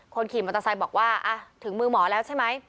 คนขี่มอเตอร์ไซค์บอกว่าถึงมือหมอแล้วใช่ไหม